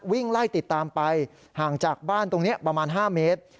วิ่งไล่ติดตามไปห่างจากบ้านตรงนี้ประมาณ๕เมตร